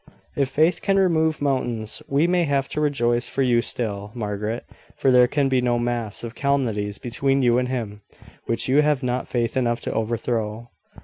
"If faith can remove mountains, we may have to rejoice for you still, Margaret; for there can be no mass of calumnies between you and him which you have not faith enough to overthrow."